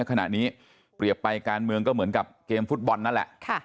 ขณะนี้เปรียบไปการเมืองก็เหมือนกับเกมฟุตบอลนั่นแหละ